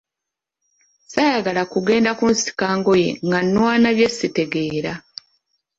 Saayagala kugenda kunsika ngoye nga nwana byesitegeera.